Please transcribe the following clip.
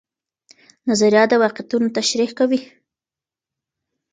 نظریه د واقعیتونو تشریح کوي.